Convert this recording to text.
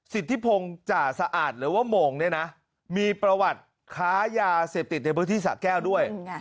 สิทธิพงศ์จ่าสะอาดหรือว่าโมงเนี่ยนะมีประวัติค้ายาเสพติดในพื้นที่สะแก้วด้วย